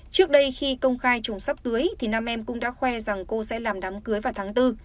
trước đây khi công khai trùng sắp tưới thì nam em cũng đã khoe rằng cô sẽ làm đám cưới vào tháng bốn